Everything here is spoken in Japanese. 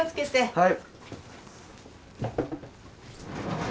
はい！